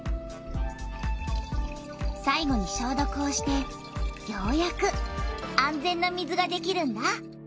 さいごにしょうどくをしてようやく安全な水ができるんだ。